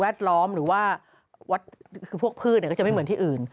ล้อมหรือว่าคือพวกพืชก็จะไม่เหมือนที่อื่น